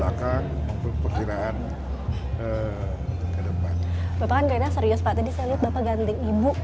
bapak kan karenanya serius pak tadi saya lihat bapak ganting ibu